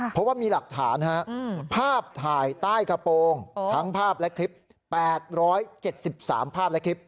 เพราะว่ามีหลักฐานภาพถ่ายใต้กระโปรงทั้งภาพและคลิป๘๗๓ภาพและคลิป